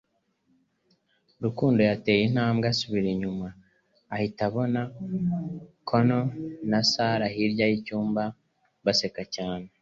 Rukundo yateye intambwe asubira inyuma, ahita abona Connor na Sarah hirya yicyumba baseka cyane